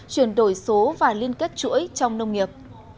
chuyển đổi số và liên kết chuỗi trong nông nghiệp